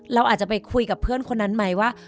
เราอาจจะไปคุยกับเพื่อนคนนั้นไหมว่า